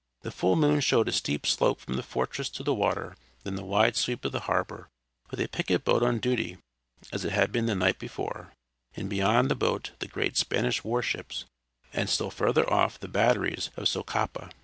The full moon showed a steep slope from the fortress to the water, then the wide sweep of the harbor, with a picket boat on duty as it had been the night before, and beyond the boat the great Spanish war ships, and still farther off the batteries of Socapa.